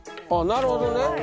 なるほどね。